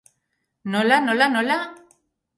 Nola, nola, nola?